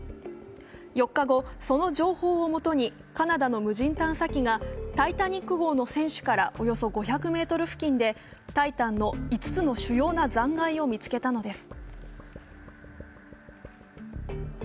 ４日後、その情報をもとにカナダの無人探査機が「タイタニック」号の船首からおよそ５００ｍの地点で「タイタン」の５つの主要な残骸を見つけたのです。